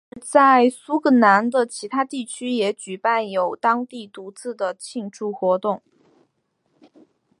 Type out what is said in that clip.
而在苏格兰的其他地区也举办有当地独自的庆祝活动。